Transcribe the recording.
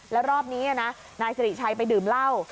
แล้วรอบนี้นะนายสิริชัยไปดื่มเหล้า